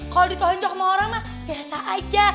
kalau ditonjok sama orang mah biasa aja